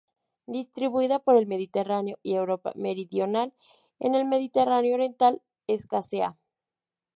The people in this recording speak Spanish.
Distribuida por el Mediterráneo y Europa meridional, en el Mediterráneo oriental escasea.